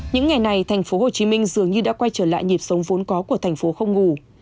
những ngày này thành phố hồ chí minh dường như đã quay trở lại nhịp sống vốn có của thành phố không ngủ